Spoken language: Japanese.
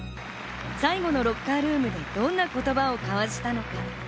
最後のロッカールームでどんな言葉を交わしたのか。